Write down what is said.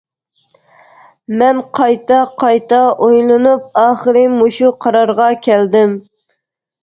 مەن قايتا-قايتا ئويلىنىپ ئاخىرى مۇشۇ قارارغا كەلدىم.